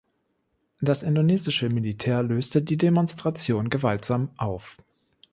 Das indonesische Militär löste die Demonstration gewaltsam auf.